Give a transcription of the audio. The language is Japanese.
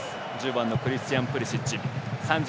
１０番クリスチャン・プリシッチ。